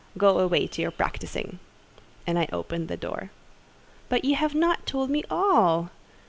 Go away to your practising." And I opened the door. "But you have not told me all."